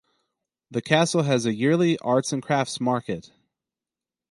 The castle has a yearly arts and crafts market.